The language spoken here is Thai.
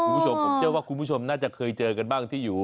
คุณผู้ชมผมเชื่อว่าคุณผู้ชมน่าจะเคยเจอกันบ้างที่อยู่